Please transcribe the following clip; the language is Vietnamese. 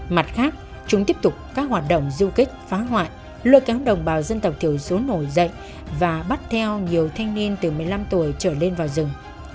mặt khác chúng tiếp tục các hoạt động du kích phá hoại lôi kéo đồng bào dân tộc thiểu số nổi dậy và bắt theo nhiều thanh niên từ một mươi năm tuổi trở lên vào rừng